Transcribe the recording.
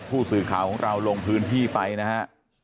ผู้สื่อข่าวของเราลงพื้นที่ไปนะฮะ